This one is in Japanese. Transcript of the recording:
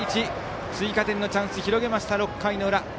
追加点のチャンスを広げました６回の裏。